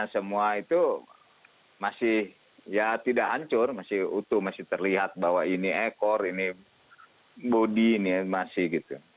semua itu masih ya tidak hancur masih utuh masih terlihat bahwa ini ekor ini bodi ini ya masih gitu